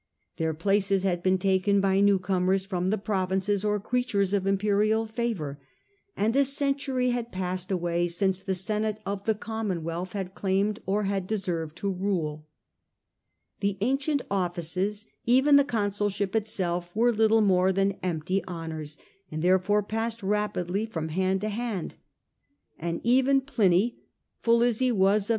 Their places had been taken by new comers from the provinces or creatures of imperial favour, and a century had passed away since the senate of the commonwealth had claimed or had deserved to rule. The ancient offices, even the which consulship itself, were little more than empty ^ncrable honours, and therefore passed rapidly from were, 'U no hand to hand ; and even Pliny, full as he v^as real power.